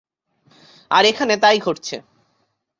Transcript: আর এখানে তাই ঘটছে।